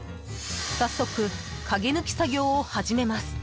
早速、鍵抜き作業を始めます。